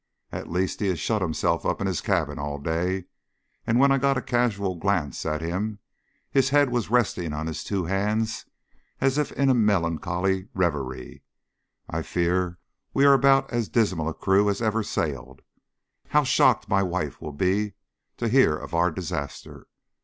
At least he has shut himself up in his cabin all day, and when I got a casual glance at him his head was resting on his two hands as if in a melancholy reverie. I fear we are about as dismal a crew as ever sailed. How shocked my wife will be to hear of our disaster!